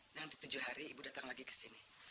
nanti tujuh hari ibu datang lagi kesini